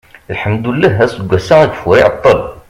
lḥemdullah aseggas-a ageffur iɛeṭṭel